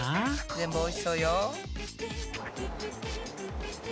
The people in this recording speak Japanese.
全部おいしそうよ。